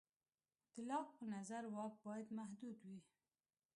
د لاک په نظر واک باید محدود وي.